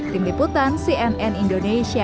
tim liputan cnn indonesia